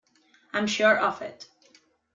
I am sure of it.